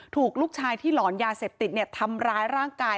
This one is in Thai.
ถูกลูกชายที่หลอนยาเสพติดทำร้ายร่างกาย